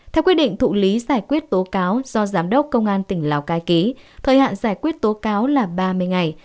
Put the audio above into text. theo quyết định thụ lý giải quyết tố cáo do giám đốc công an tỉnh lào cai ký thời hạn giải quyết tố cáo là ba mươi ngày